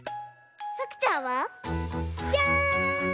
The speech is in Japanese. さくちゃんは？じゃん！